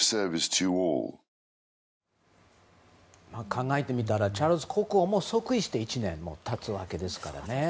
考えてみたらチャールズ国王も即位して１年経つわけですからね。